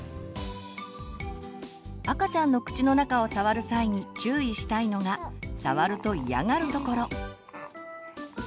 赤ちゃんの口の中を触る際に注意したいのが触ると嫌がるところ。